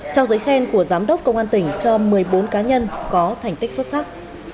trao giới khen của giám đốc công an tỉnh cho một mươi bốn cá nhân có thành tích xuất sắc